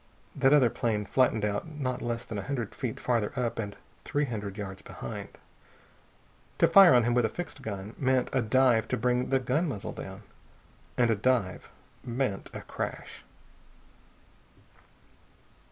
That other plane flattened out not less than a hundred feet farther up and three hundred yards behind. To fire on him with a fixed gun meant a dive to bring the gun muzzle down. And a dive meant a crash.